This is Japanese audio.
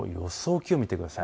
気温を見てください。